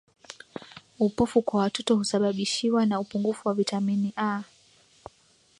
upofu kwa watoto husababibishwa na upungufu wa vitamini A